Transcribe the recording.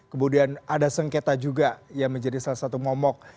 kemudian ada sengketa juga yang menjadi salah satu momok